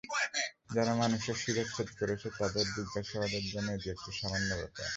যারা মানুষের শিরশ্ছেদ করছে, তাদের জিজ্ঞাসাবাদের জন্য এটি একটি সামান্য ব্যাপার।